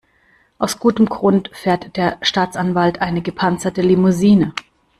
Aus gutem Grund fährt der Staatsanwalt eine gepanzerte Limousine.